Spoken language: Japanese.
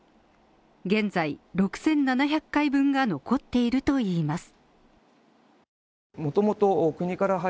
現在６７００回分が残っているといいます。